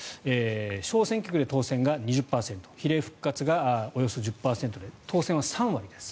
小選挙区で当選が２０％比例復活がおよそ１０％で当選は３割です